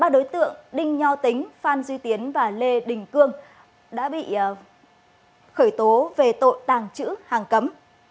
ba đối tượng đinh nho tính phan duy tiến và lê đình cương đã bị khởi tố về tội tàng trữ hàng cấm